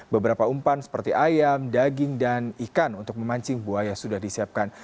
beberapa umpan seperti ayam daging dan ikan untuk memancing buaya sudah disiapkan